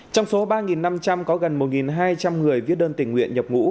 trong số ba năm trăm linh có gần một hai trăm linh người viết đơn tình nguyện nhập ngũ